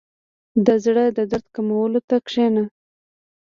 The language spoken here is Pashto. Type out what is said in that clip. • د زړۀ د درد کمولو ته کښېنه.